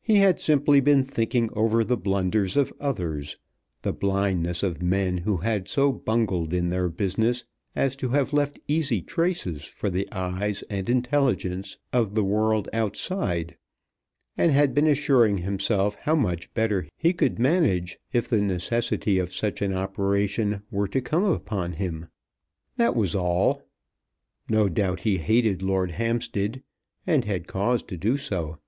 He had simply been thinking over the blunders of others, the blindness of men who had so bungled in their business as to have left easy traces for the eyes and intelligence of the world outside, and had been assuring himself how much better he could manage if the necessity of such an operation were to come upon him. That was all. No doubt he hated Lord Hampstead, and had cause to do so.